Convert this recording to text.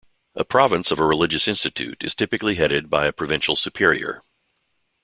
A province of a religious institute is typically headed by a provincial superior.